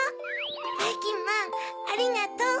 ばいきんまんありがとう。